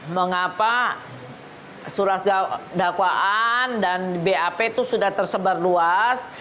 mengapa surat dakwaan dan bap itu sudah tersebar luas